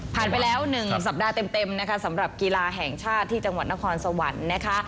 ไปแล้ว๑สัปดาห์เต็มนะคะสำหรับกีฬาแห่งชาติที่จังหวัดนครสวรรค์นะคะ